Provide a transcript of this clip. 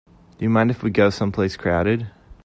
Do you mind if we go someplace crowded?